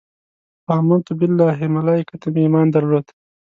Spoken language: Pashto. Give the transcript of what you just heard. په امنت بالله ملایکته مې ایمان درلود.